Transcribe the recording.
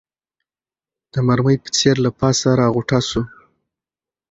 د مرمۍ په څېر له پاسه راغوټه سو